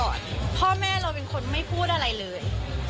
ตอนนี้เราขอเอาพ่อแม่เราก่อนพ่อแม่เราเป็นคนไม่พูดอะไรเลย